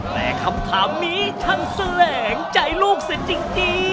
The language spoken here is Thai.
แต่คำถามนี้ทั้งแสลงใจลูกเสร็จจริง